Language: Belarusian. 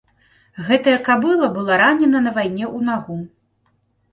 Гэтая кабыла была ранена на вайне ў нагу.